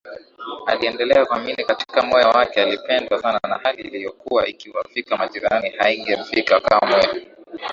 aliendelea kuamini katika moyo wake alipendwa sana na hali iliyokuwa ikiwafika majirani haingemfika kamwe